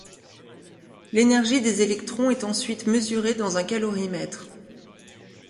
L'énergie des électrons est ensuite mesurée dans un calorimètre.